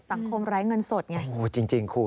สังคมไร้เงินสดไง